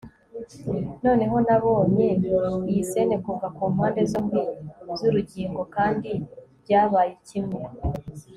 Noneho nabonye iyi scene kuva kumpande zombi zurugingo kandi byabaye kimwe